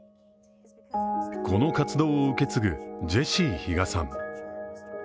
この活動を受け継ぐジェシー・ヒガさん。